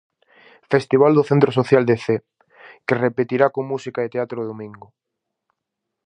Festival do centro social de Cee que repetirá con música e teatro o domingo.